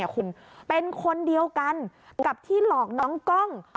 คุณเป็นคนเดียวกันกับที่หลอกน้องกล้อง